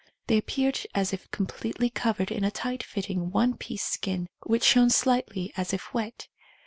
They appeared as if completely covered in a tight fitting one piece skin, which shone slightly as if wet.